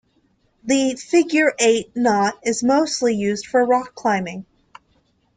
The figure-eight knot is mostly used for rock climbing.